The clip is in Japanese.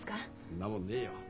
んなもんねえよ。